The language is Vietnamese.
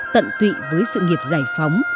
tận tụy với sự nghiệp giải phóng